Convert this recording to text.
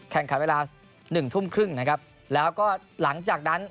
แข่งขันเวลาหนึ่งทุ่มครึ่งนะครับแล้วก็หลังจากนั้น